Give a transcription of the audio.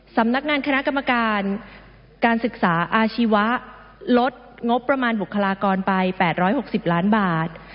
สำนักงานคณะกรรมการการศึกษาอาชีวะลดงบประมาณบุคลากรไป๘๖๐ล้านบาท